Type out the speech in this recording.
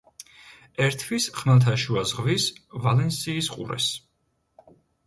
ერთვის ხმელთაშუა ზღვის ვალენსიის ყურეს.